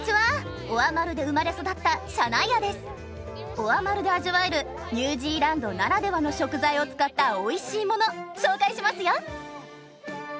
オアマルで味わえるニュージーランドならではの食材を使ったおいしいもの紹介しますよ！